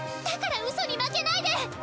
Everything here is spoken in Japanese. だからウソに負けないで！